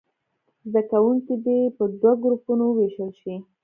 زده کوونکي دې په دوو ګروپونو ووېشل شي.